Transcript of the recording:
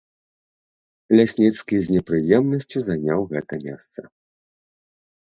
Лясніцкі з непрыемнасцю заняў гэта месца.